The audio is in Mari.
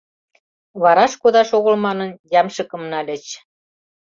Вараш кодаш огыл манын, ямшыкым нальыч.